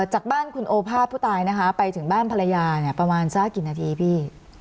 จากบ้านคุณโอภาษผู้ตายนะคะไปถึงบ้านภรรยาเนี่ยประมาณสักกี่นาทีพี่